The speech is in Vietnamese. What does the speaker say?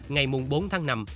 ngày bốn tháng năm